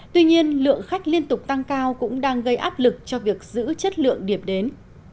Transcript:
tuy nhiên lượng khách liên tục tăng cao cũng đang gây áp lực cho việc giữ chất lượng điểm đến